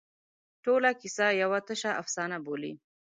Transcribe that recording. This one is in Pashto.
ټوله کیسه یوه تشه افسانه بولي.